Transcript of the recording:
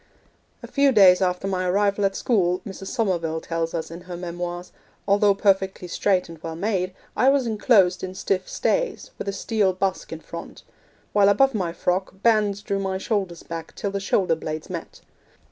'A few days after my arrival at school,' Mrs. Somerville tells us in her memoirs, 'although perfectly straight and well made, I was enclosed in stiff stays, with a steel busk in front; while above my frock, bands drew my shoulders back till the shoulder blades met.